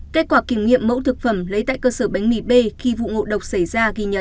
kết quả kiểm nghiệm mẫu thực phẩm lấy tại cơ sở bánh mì b khi vụ ngộ độc xảy ra ghi nhận